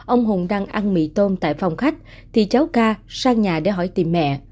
ông hùng đang ăn mì tôm tại phòng khách thì cháu ca sang nhà để hỏi tìm mẹ